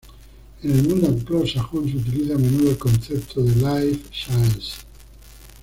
En el mundo anglosajón se utiliza a menudo el concepto de "Life Sciences".